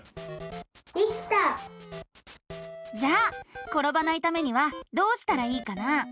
できた！じゃあころばないためにはどうしたらいいかな？